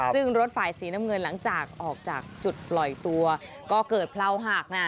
ซึ่งรถฝ่ายสีน้ำเงินหลังจากออกจากจุดปล่อยตัวก็เกิดเพราหักนะ